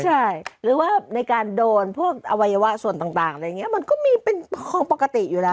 ใช่หรือว่าในการโดนพวกอวัยวะส่วนต่างอะไรอย่างนี้มันก็มีเป็นของปกติอยู่แล้ว